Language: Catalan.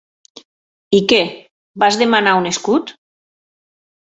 I què, vas demanar un escut?